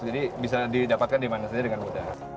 jadi bisa didapatkan dimana saja dengan mudah